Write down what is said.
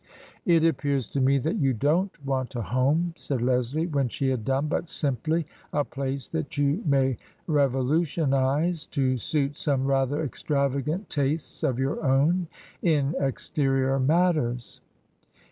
" It appears to me that you don't want a home," said Leslie, when she had done, " but simply a place that you may revolutionize to suit some rather extravagant tastes of your own in exterior matters."